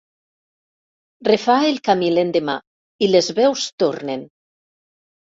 Refà el camí l'endemà i les veus tornen.